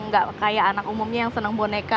nggak kayak anak umumnya yang senang boneka